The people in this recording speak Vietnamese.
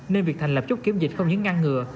nên việc thành lập chốt kiểm dịch không những ngăn ngừa